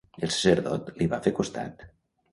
El sacerdot li va fer costat?